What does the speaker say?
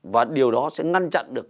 và điều đó sẽ ngăn chặn được